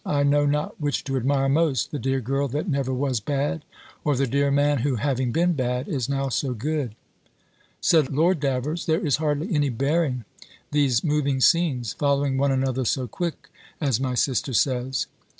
"I know not which to admire most, the dear girl that never was bad, or the dear man, who, having been bad, is now so good!" Said Lord Davers, "There is hardly any bearing these moving scenes, following one another so quick, as my sister says."